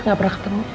gak pernah ketemu